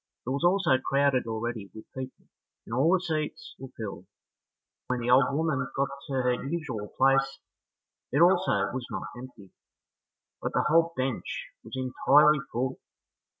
It was also crowded already with people, and all the seats were filled; and when the old woman got to her usual place it also was not empty, but the whole bench was entirely full.